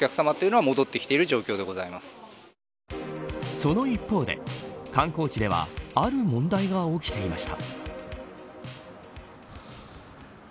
その一方で観光地ではある問題が起きていました。